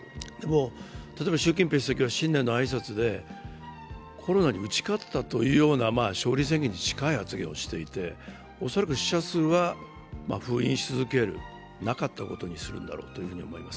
例えば習近平主席は新年の挨拶でコロナに打ち勝ったというような勝利宣言に近い発言をしていて恐らく死者数は封印し続ける、なかったことにするんだろうと思います。